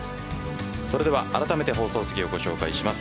それでは、あらためて放送席をご紹介します。